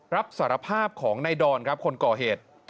รับสารภาพของนายดอนครับคนก่อเหตุ